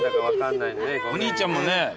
お兄ちゃんもねすごい。